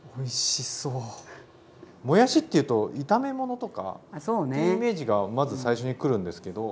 もやしっていうと炒め物とかっていうイメージがまず最初にくるんですけど。